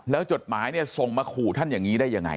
แล้วจดหมายเนี่ยส่งมาขู่ท่านอย่างนี้ได้ยังไง